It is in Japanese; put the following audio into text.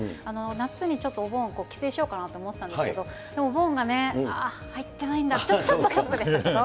夏にちょっとお盆、帰省しようかなと思ったんですけど、お盆がね、入ってないんだって、ちょっとショックでしたけど。